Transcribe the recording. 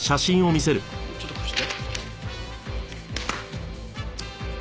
ちょっと貸して。